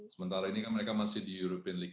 sementara ini kan mereka masih di european leagu